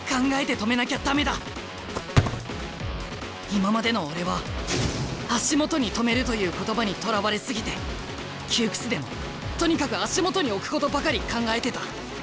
今までの俺は足元に止めるという言葉にとらわれ過ぎて窮屈でもとにかく足元に置くことばかり考えてた。